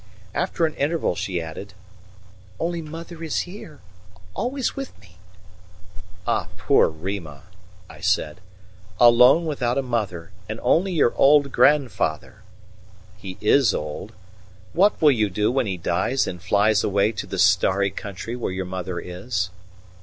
After an interval she added: "Only mother is here always with me." "Ah, poor Rima!" I said; "alone without a mother, and only your old grandfather! He is old what will you do when he dies and flies away to the starry country where your mother is?"